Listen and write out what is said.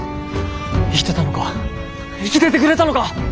生きてたのか生きててくれたのか！